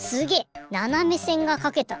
ななめせんがかけた。